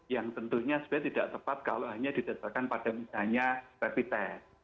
yang tentunya sebenarnya tidak tepat kalau hanya didatangkan pada misalnya repitest